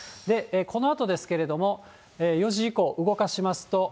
このあとですけれども、４時以降、動かしますと。